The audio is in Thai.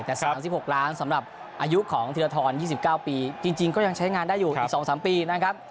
แต่๓๖ล้านสำหรับอายุของธีรทร๒๙ปีจริงก็ยังใช้งานได้อยู่อีก๒๓ปีนะครับ